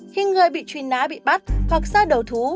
khi người bị trùy ná bị bắt hoặc ra đầu thú